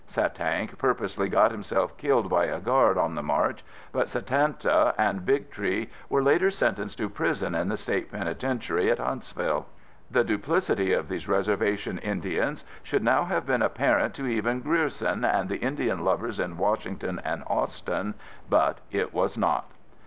Satank purposely got himself killed by a guard on the march, but Satanta and Big Tree were later sentenced to prison in the state penitentiary at Huntsville. The duplicity of these reservation Indians should now have been apparent to even Grierson and the Indian lovers in Washington and Austin, but it was not.